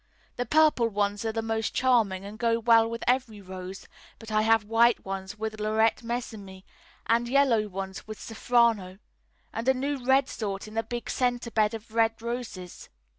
The purple ones are the most charming and go well with every rose, but I have white ones with Laurette Messimy, and yellow ones with Safrano, and a new red sort in the big centre bed of red roses.